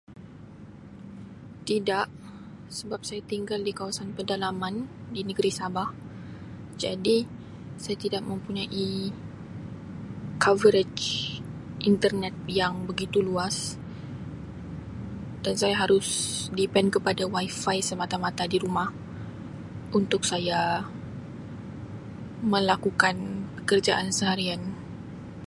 Tidak sebab saya tinggal di kawasan pedalaman di negeri Sabah jadi saya tidak mempunyai coverage internet yang begitu luas dan saya harus depend kepada WiFi semata-mata di rumah untuk saya melakukan pekerjaan seharian.